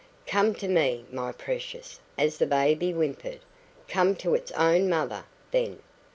"Come to me, my precious!" as the baby whimpered. "Come to its own mother, then!